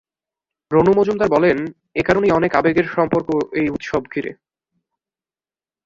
রনু মজুমদার বলেন, এ কারণেই অনেক আবেগের সম্পর্ক এই উৎসব ঘিরে।